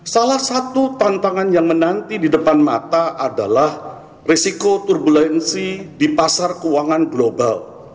salah satu tantangan yang menanti di depan mata adalah risiko turbulensi di pasar keuangan global